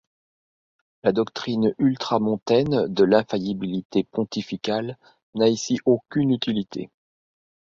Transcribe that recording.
La doctrine ultramontaine de l’infaillibilité pontificale n’a ici aucune utilité.